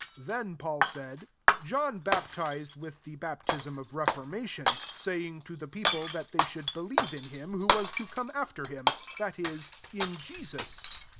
'' 4 Then Paul said, John baptized vnih the bap , sm of reformation ; saying to le people, that they should elieve in him who was to jcome fter him, that is, in Jesus."